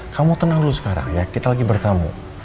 kamu tenang dulu sekarang ya kita lagi bertamu